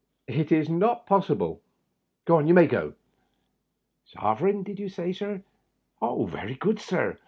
It is not possible. You may go." "Soverin' did you say, sir? Very good, sir.